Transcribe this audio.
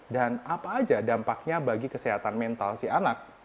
dan apa aja dampaknya bagi kesehatan mental si anak